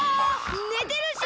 ねてるし！